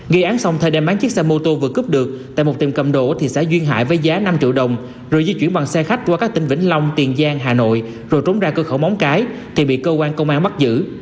gây án xong thơ đem bán chiếc xe mô tô vừa cướp được tại một tiệm cầm đồ thị xã duyên hải với giá năm triệu đồng rồi di chuyển bằng xe khách qua các tỉnh vĩnh long tiền giang hà nội rồi trốn ra cơ khẩu móng cái thì bị cơ quan công an bắt giữ